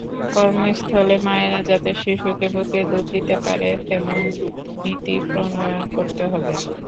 কর্মস্থলে মায়েরা যাতে শিশুকে বুকের দুধ দিতে পারেন তেমন নীতি প্রণয়ন করতে হবে।